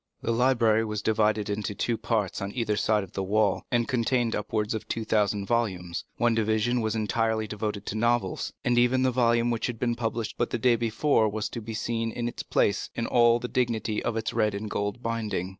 The library was divided into two parts on either side of the wall, and contained upwards of two thousand volumes; one division was entirely devoted to novels, and even the volume which had been published but the day before was to be seen in its place in all the dignity of its red and gold binding.